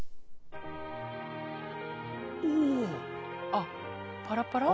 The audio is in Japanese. あっパラパラ？